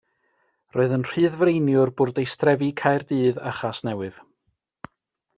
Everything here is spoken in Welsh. Roedd yn Rhyddfreiniwr bwrdeistrefi Caerdydd a Chasnewydd.